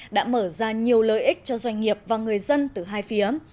đã mở ra nhiều lợi ích cho doanh nghiệp và người dân từ hai phía